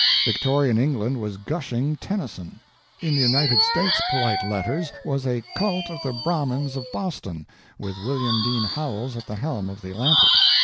Victorian England was gushing Tennyson. In the United States polite letters was a cult of the Brahmins of Boston, with William Dean Howells at the helm of the Atlantic.